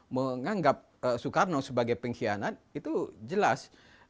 menganggap soekarno sebagai pengkhianat itu jelas